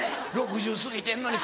６０過ぎてんのに